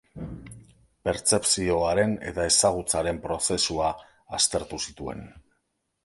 Pertzepzioaren eta ezagutzaren prozesua aztertu zituen.